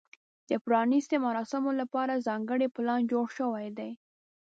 د پرانیستې مراسمو لپاره ځانګړی پلان جوړ شوی دی.